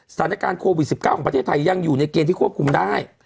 สถานการณ์โควิด๑๙ของประเทศไทยยังอยู่ในเกณฑ์ที่ควบคุมได้